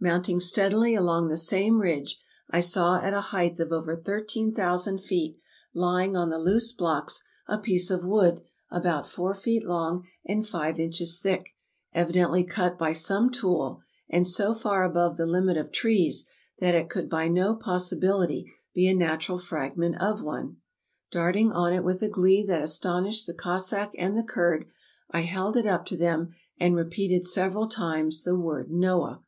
Mount ing steadily along the same ridge, I saw at a height of over 13,000 feet, lying on the loose blocks, a piece of wood about four feet long and five inches thick, evidently cut by some tool, and so far above the limit of trees that it could by no possibility be a natural fragment of one. Dart ing on it with a glee that astonished the Cossack and the Kurd I held it up to them, and repeated several times the word "Noah."